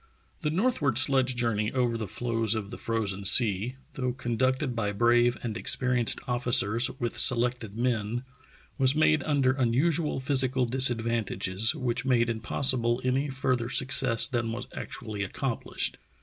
The northward sledge journey over the floes of the frozen sea, though conducted by brave and experi enced officers with selected men, was made under un usual physical disadvantages which made impossible any further success than was actually accompHshed.